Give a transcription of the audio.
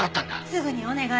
すぐにお願い。